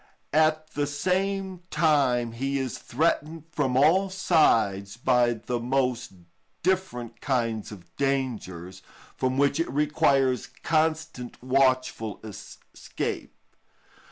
At the same time he is threatened from all sides by the most different kinds of dangers, from which it requires constant watchfulness to escape.